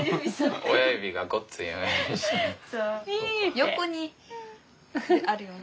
横にあるよな。